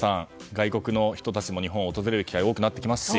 外国の人たちも日本を訪れる機会が多くなってきますし。